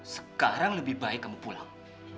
sekarang lebih baik kamu pulang